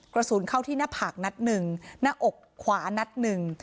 กระสุนเข้าที่หน้าผากนัดหนึ่งหน้าอกขวานัดหนึ่ง